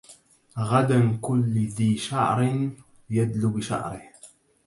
غدا كل ذي شعر يدل بشعره